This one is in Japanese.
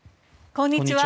こんにちは。